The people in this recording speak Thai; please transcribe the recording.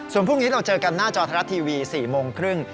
ส่วนพรุ่งนี้เราเจอกันหน้าจอไทยรัฐทีวี๔โมงครึ่ง